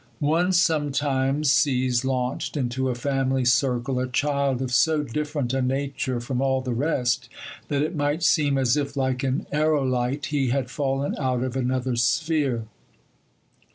One sometimes sees launched into a family circle a child of so different a nature from all the rest, that it might seem as if, like an aërolite, he had fallen out of another sphere.